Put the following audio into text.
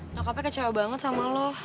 nangkapnya kecewa banget sama lo